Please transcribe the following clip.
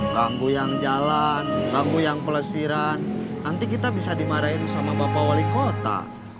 ganggu yang jalan ganggu yang pelesiran nanti kita bisa dimarahin sama bapak wali kota